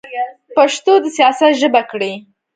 پښتو د سیاست ژبه کړئ.